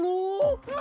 abang jijik bang